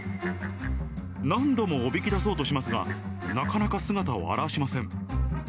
何度もおびき出そうとしますが、なかなか姿を現しません。